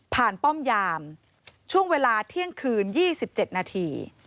ป้อมยามช่วงเวลาเที่ยงคืน๒๗นาที